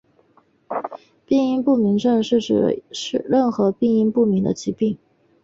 病因不明症指的是任何病因不明的疾病。